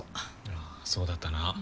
ああそうだったな。